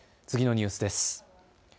次のニュースです。